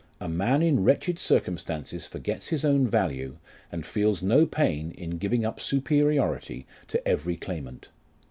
A man in wretched circumstances forgets his own value, and feels no pain in giving up superiority to every claimant.